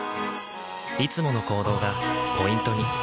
いつもの行動がポイントに。